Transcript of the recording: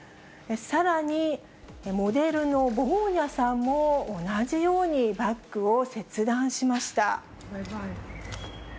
さらにモデルのボーニャさんも、同じようにバッグを切断しました。